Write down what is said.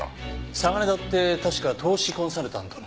サガネダって確か投資コンサルタントの？